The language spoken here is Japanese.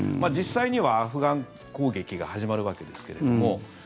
実際には、アフガン攻撃が始まるわけですけれども。